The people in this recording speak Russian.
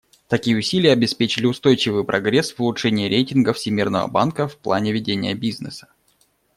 Такие усилия обеспечили устойчивый прогресс в улучшении рейтинга Всемирного банка в плане ведения бизнеса.